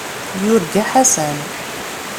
Yurga Ḥasan.